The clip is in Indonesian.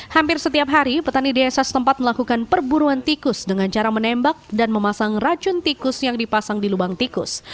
hampir setiap hari petani desa setempat melakukan perburuan tikus dengan cara menembak dan memasang racun tikus yang dipasang di lubang tikus